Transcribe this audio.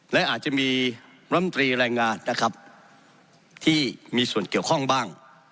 และอาจจะมีรำตรีแรงงานนะครับที่มีส่วนเกี่ยวข้องบ้าง